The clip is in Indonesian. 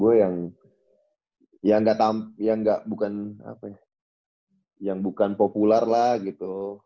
gue yang yang gak bukan apa ya yang bukan popular lah gitu